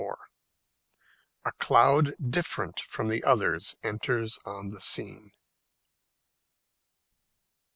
A CLOUD DIFFERENT FROM THE OTHERS ENTERS ON THE SCENE.